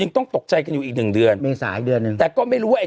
ต้องตกใจกันอยู่อีกหนึ่งเดือนเมษาอีกเดือนหนึ่งแต่ก็ไม่รู้ว่าไอ้